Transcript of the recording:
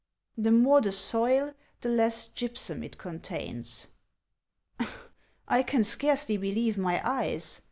— The more the soil — the less gypsum it contains —"" I can scarcely believe my eyes